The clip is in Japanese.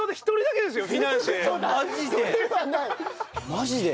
マジで？